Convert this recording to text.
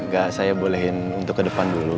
gak saya bolehin untuk ke depan dulu